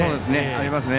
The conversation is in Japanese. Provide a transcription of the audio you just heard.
ありますね。